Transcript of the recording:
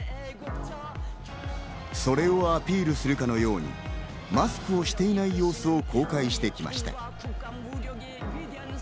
それをアピールするかのようにマスクをしていない様子を公開してきました。